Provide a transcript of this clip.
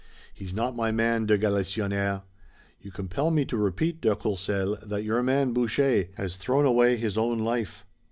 "He's not my man, de Galisonnière!" "You compel me to repeat, de Courcelles, that your man, Boucher, has thrown away his own life.